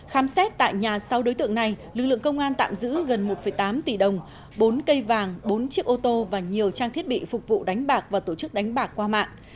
khám xét tại nhà sáu đối tượng này lực lượng công an tạm giữ gần một tám tỷ đồng bốn cây vàng bốn chiếc ô tô và nhiều trang thiết bị phục vụ đánh bạc và tổ chức đánh bạc qua mạng